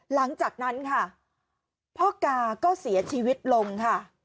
หลังจากนั้นค่ะพ่อกาก็เสียชีวิตลงค่ะ